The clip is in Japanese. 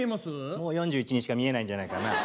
もう４１にしか見えないんじゃないかな。